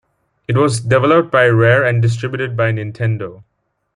It was developed by Rare and distributed by Nintendo.